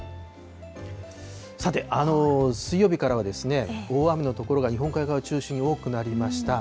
さて、水曜日からは大雨の所が日本海側中心に多くなりました。